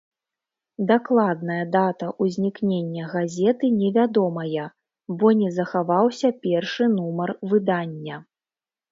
Дакладная дата ўзнікнення газеты невядомая, бо не захаваўся першы нумар выдання.